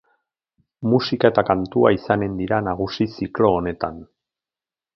Musika eta kantua izanen dira nagusi ziklo honetan.